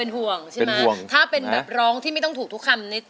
นี่เพลงที่๓มูลค่า๔๐๐๐๐บาท